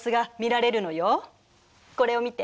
これを見て。